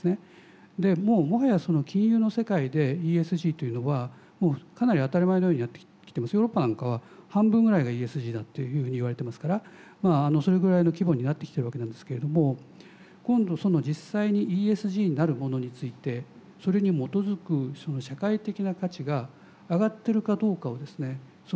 でもうもはや金融の世界でＥＳＧというのはもうかなり当たり前のようになってきてます。ヨーロッパなんかは半分ぐらいがＥＳＧだというふうにいわれてますからそれぐらいの規模になってきてるわけなんですけれども今度実際にＥＳＧなるものについてそれに基づく社会的な価値が上がってるかどうかをその運用会社自身が見に行くと。